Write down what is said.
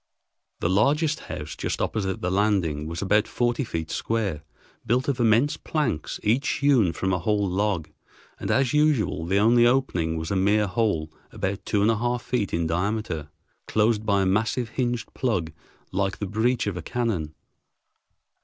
The largest house, just opposite the landing, was about forty feet square, built of immense planks, each hewn from a whole log, and, as usual, the only opening was a mere hole about two and a half feet in diameter, closed by a massive hinged plug like the breach of a cannon.